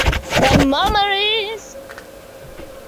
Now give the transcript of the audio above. The memories!